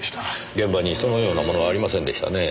現場にそのようなものはありませんでしたねえ。